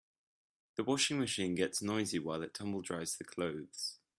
The washing machine gets noisy while it tumble dries the clothes.